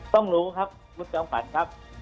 ต้องรู้ครับลูกจังหวัดครับ